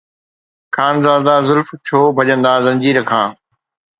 خانزادا زلف، ڇو ڀڄندا زنجير کان؟